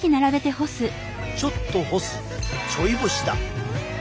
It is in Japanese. ちょっと干すちょい干しだ！